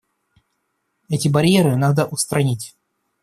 Эти барьеры надо устранить.